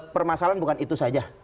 permasalahan bukan itu saja